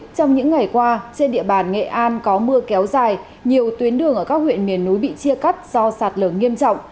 trong những ngày qua trên địa bàn nghệ an có mưa kéo dài nhiều tuyến đường ở các huyện miền núi bị chia cắt do sạt lở nghiêm trọng